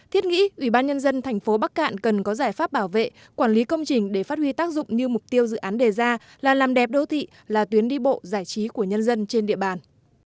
thiết nghĩ ủy ban nhân dân thành phố bắc cạn cần có giải pháp bảo vệ quản lý công trình để phát huy tác dụng như mục tiêu dự án đề ra là làm đẹp đô thị là tuyến đi bộ giải trí của nhân dân trên địa bàn